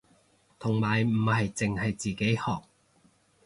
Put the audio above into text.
同埋唔係淨係自己學